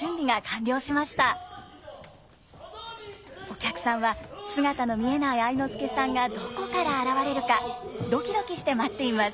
お客さんは姿の見えない愛之助さんがどこから現れるかドキドキして待っています。